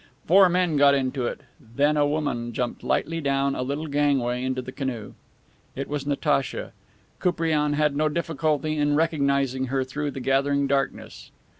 Four men got into it; then a woman jumped lightly down a little gangway into the canoe. It was Natacha. Koupriane had no difficulty in recognizing her through the gathering darkness.